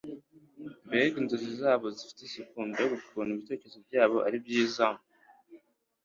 Mbega inzozi zabo zifite isuku mbega ukuntu ibitekerezo byabo ari byiza